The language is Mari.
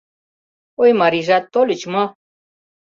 «Ой, марийжат, тольыч мо?»